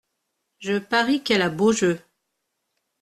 Je parie qu’elle a beau jeu.